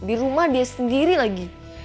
di rumah dia sendiri lagi